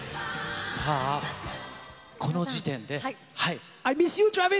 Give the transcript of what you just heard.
さあ、この時点で。